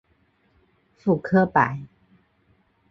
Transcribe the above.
傅科摆